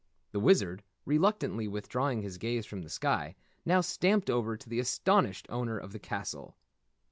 The Wizard, reluctantly withdrawing his gaze from the sky, now stamped over to the astonished owner of the castle.